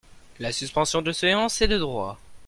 La suspension de séance est de droit.